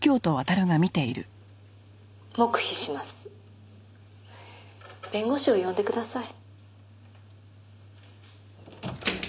「黙秘します」「弁護士を呼んでください」